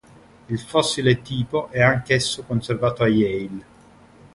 Il fossile tipo è anch'esso conservato a Yale.